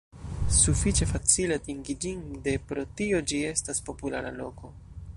Sufiĉe facile atingi ĝin de pro tio ĝi estas populara loko.